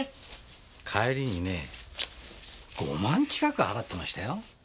帰りにね５万近く払ってましたよ。